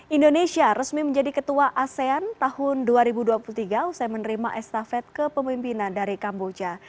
indonesia resmi menjadi ketua asean tahun dua ribu dua puluh tiga usai menerima estafet kepemimpinan dari kamboja